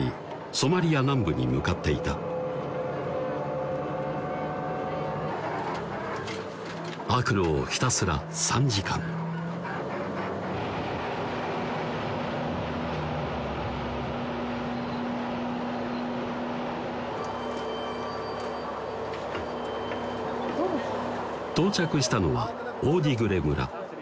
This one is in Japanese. ソマリア南部に向かっていた悪路をひたすら３時間到着したのはオーディグレ村